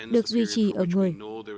được duy trì ở người